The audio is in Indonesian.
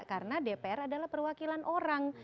karena dpr adalah perwakilan orang